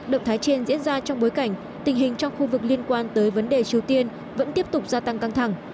động thái trên diễn ra trong bối cảnh tình hình trong khu vực liên quan tới vấn đề triều tiên vẫn tiếp tục gia tăng căng thẳng